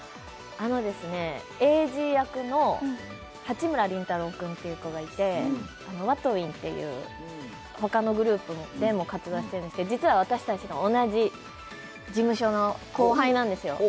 あのですね栄治役の八村倫太郎君っていう子がいてあのＷＡＴＷＩＮＧっていう他のグループでも活動してるんですけど実は私達の同じ事務所の後輩なんですよ